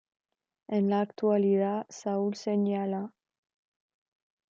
En la actualidad Saúl Señala.